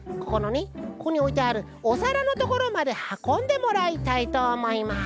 ここにおいてあるおさらのところまではこんでもらいたいとおもいます。